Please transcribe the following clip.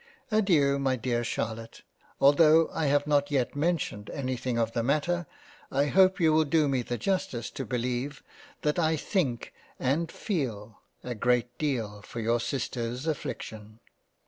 Adeiu my dear Charlotte ; although I have not yet mentioned anything of the matter, I hope you will do me the justice to beleive that I think and fee/, a great deal for your Sisters affliction.